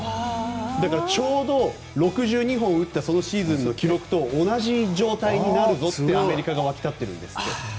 だからちょうど、６２本打ったそのシーズンの記録と同じ状態になるぞとアメリカが沸き立ってるんですって。